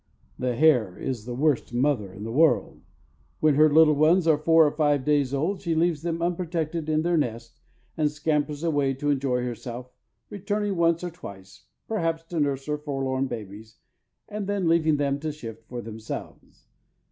The hare is the worst mother in the world. When her little ones are four or five days old, she leaves them unprotected in their nest, and scampers away to enjoy herself, returning once or twice, perhaps, to nurse her forlorn babies, and then leaving them to shift for themselves.